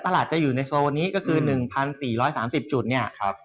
ตลาดจะอยู่ในโซนนี้ก็คือ๑๔๓๐จุดเนี่ย